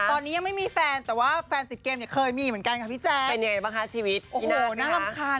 ตอนนี้ยังไม่มีแฟนแต่ว่าแฟนติดเกมเนี่ยเคยมีเหมือนกันค่ะพี่แจ๊